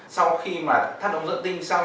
sau khi mà thắt ống dựa tinh xong